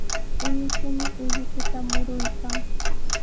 Imichumi ullukuta muruykan.